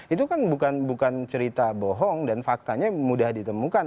itu kan bukan cerita bohong dan faktanya mudah ditemukan